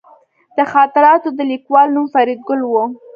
د خاطراتو د لیکوال نوم فریدګل و